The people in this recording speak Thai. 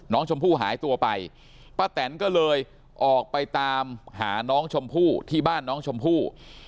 น้องชมพู่หายตัวไปป้าแตนก็เลยออกไปตามหาน้องชมพู่ที่บ้านน้องชมพู่